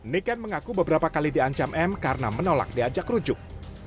niken mengaku beberapa kali diancam m karena menolak diajak rujuk